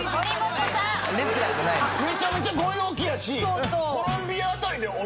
めちゃめちゃご陽気やし。